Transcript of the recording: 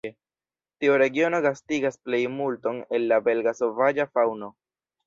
Tiu regiono gastigas plejmulton el la belga sovaĝa faŭno.